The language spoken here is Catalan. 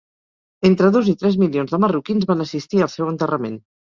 Entre dos i tres milions de marroquins van assistir al seu enterrament.